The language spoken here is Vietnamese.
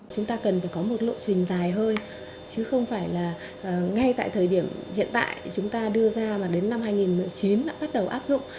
chúng ta cần phải có một lộ trình dài hơi chứ không phải là ngay tại thời điểm hiện tại chúng ta đưa ra mà đến năm hai nghìn một mươi chín đã bắt đầu áp dụng